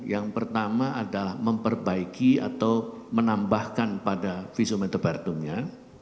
yang pertama adalah memperbaiki atau menambahkan pada visum enterdumnya